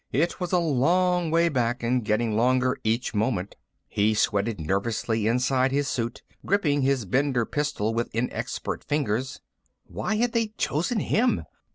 It was a long way back, and getting longer each moment. He sweated nervously inside his suit, gripping his Bender pistol with inexpert fingers. Why had they chosen him?